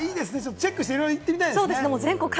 チェックして、いろいろ行ってみたいですね。